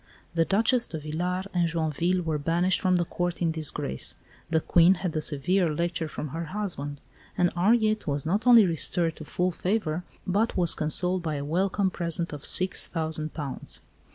The Duchesse de Villars and Joinville were banished from the Court in disgrace; the Queen had a severe lecture from her husband; and Henriette was not only restored to full favour, but was consoled by a welcome present of six thousand pounds.